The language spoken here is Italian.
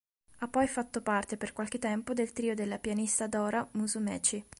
Ha poi fatto parte per qualche tempo del trio della pianista Dora Musumeci.